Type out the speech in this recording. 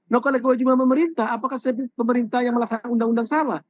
melakukan kewajiban pemerintah apakah pemerintah yang melaksanakan undang undang salah